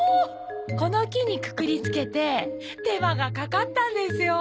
この木にくくりつけて手間がかかったんですよ。